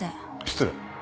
失礼。